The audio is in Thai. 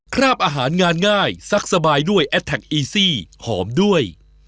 คราบอาหารงานง่ายซักสบายด้วยแอดแท็กอีซี่หอมด้วย